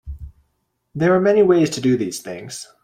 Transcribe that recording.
There are many ways to do these things.